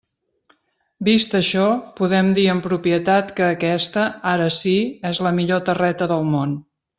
Vist això, podem dir amb propietat que aquesta, ara sí, és la millor terreta del món.